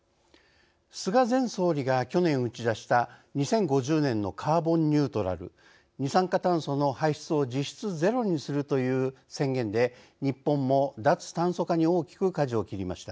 菅前総理が去年打ち出した２０５０年のカーボンニュートラル二酸化炭素の排出を実質ゼロにするという宣言で日本も脱炭素化に大きくかじを切りました。